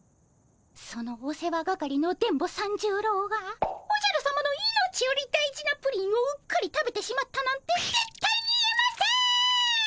そのお世話係の電ボ三十郎がおじゃるさまの命より大事なプリンをうっかり食べてしまったなんてぜったいに言えません！